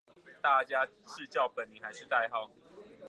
大家是叫本名還是代號